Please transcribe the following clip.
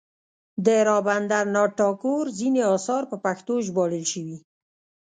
د رابندر ناته ټاګور ځینې اثار په پښتو ژباړل شوي.